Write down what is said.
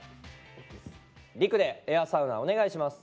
陸でエアサウナお願いします。